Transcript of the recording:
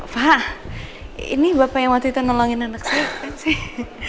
fah ini bapak yang waktu itu nolongin anak saya pengen sih